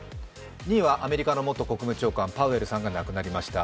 ２位はアメリカの元国務長官、パウエルさんが亡くなりました。